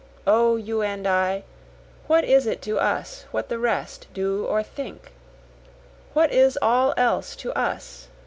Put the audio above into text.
O you and I! what is it to us what the rest do or think? What is all else to us?